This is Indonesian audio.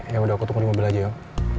ya udah aku tunggu di mobil aja om